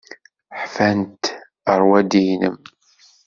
Ḥfant rrwaḍi-inem.